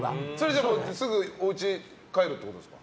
でも、おうちにすぐ帰るってことですか。